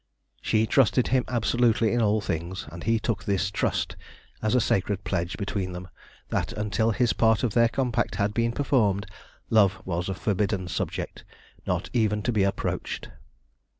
She trusted him absolutely in all things, and he took this trust as a sacred pledge between them that until his part of their compact had been performed, love was a forbidden subject, not even to be approached.